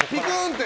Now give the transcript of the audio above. って